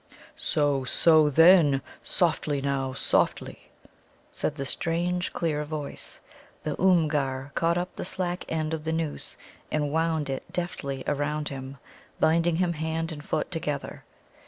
"So, so, then; softly, now, softly!" said the strange clear voice. The Oomgar caught up the slack end of the noose and wound it deftly around him, binding him hand and foot together.